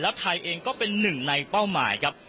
แล้วไทยเองก็เป็นหนึ่งในเป้าหมายครับ